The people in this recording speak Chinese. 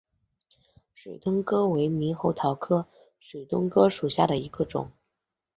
水东哥为猕猴桃科水东哥属下的一个种。